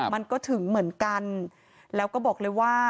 มันก็ถึงเหมือนกันแล้วก็บอกเลยว่า